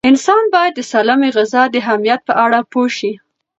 انسان باید د سالمې غذا د اهمیت په اړه پوه شي.